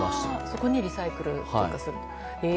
そこにリサイクルとかをすると。